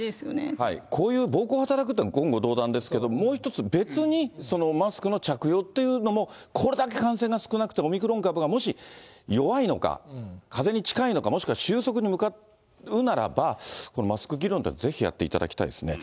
こういう暴行を働くというのは、言語道断ですけど、もう一つ、別にマスクの着用というのも、これだけ感染が少なくて、オミクロン株がもし弱いのか、かぜに近いのか、もしくは収束に向かうならば、このマスク議論って、ぜひやっていただきたいですね。